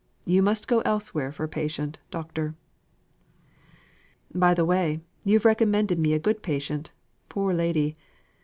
You must go elsewhere for a patient, Doctor." "By the way, you've recommended me a good patient, poor lady!